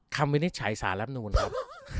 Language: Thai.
วินิจฉัยสารรับนูลครับ